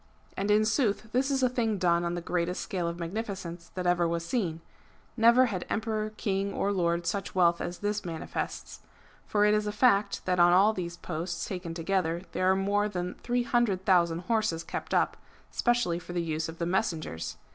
And in sooth this is a thinp; done on the oreatest scale of maonificence that ever was seen. Never had o '^ emperor, king, or lord, such wealth as this manifests ! For it is a fact that on all these posts taken together there are more than 300,000 horses kept up, specially for the use of the messengers.